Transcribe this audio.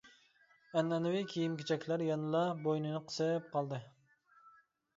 ئەنئەنىۋى كىيىم-كېچەكلەر يەنىلا بوينىنى قىسىپ قالدى.